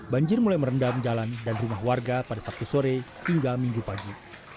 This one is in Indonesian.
banjir mulai merendam jalan dan rumah warga pada sabtu sore hingga minggu pagi